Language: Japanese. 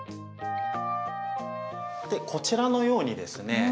こちらのようにですね